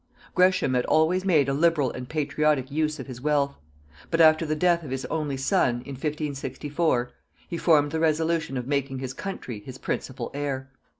Gresham had always made a liberal and patriotic use of his wealth; but after the death of his only son, in 1564, he formed the resolution of making his country his principal heir.